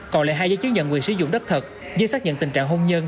còn lại hai giấy chứng nhận quyền sử dụng đất thật như xác nhận tình trạng hôn nhân